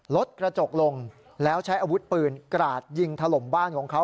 รถกระจกลงแล้วใช้อาวุธปืนกราดยิงถล่มบ้านของเขา